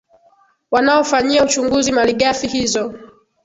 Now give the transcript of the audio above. wanaofanyia uchunguzi maligafi hizo